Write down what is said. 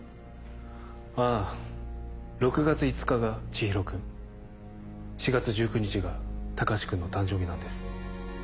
あぁ６月５日がちひろ君４月１９日が隆君の誕生日なんです。